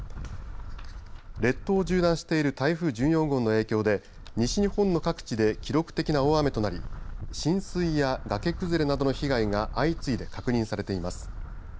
列島を縦断している台風１４号の影響で西日本の各地で記録的な大雨となり浸水や崖崩れなどの被害が相次いで確認されています。